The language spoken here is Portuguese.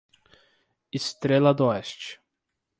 Estrela d'Oeste